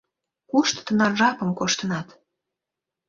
Кушто тынар жапым коштынат?